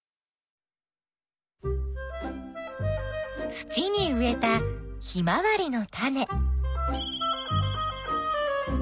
土に植えたヒマワリのタネ。